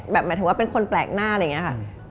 หมายถึงว่าเป็นคนแปลกหน้าอะไรอย่างนี้ค่ะ